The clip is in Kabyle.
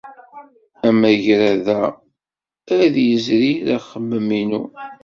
Amagrad-a ad yezrir axemmem-inu.